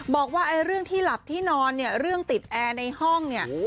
บอกว่าไอ้เรื่องที่หลับที่นอนเนี่ยเรื่องติดแอร์ในห้องเนี่ย